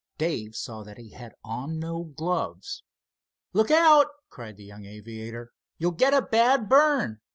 Dave saw that he had on no gloves. "Look out!" cried the young aviator. "You'll get a bad burn.